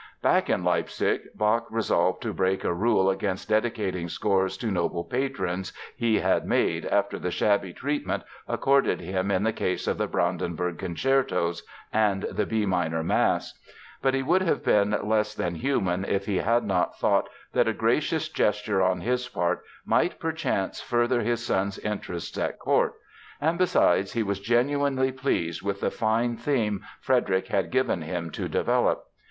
Back in Leipzig Bach resolved to break a rule against dedicating scores to noble patrons he had made after the shabby treatment accorded him in the case of the Brandenburg Concertos and the B minor Mass. But he would have been less than human if he had not thought that a gracious gesture on his part might perchance further his son's interests at court; and besides, he was genuinely pleased with the fine theme Frederick had given him to develop.